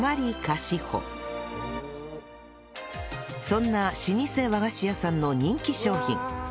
そんな老舗和菓子屋さんの人気商品